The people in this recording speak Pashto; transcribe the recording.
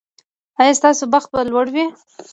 ایا ستاسو بخت به لوړ وي؟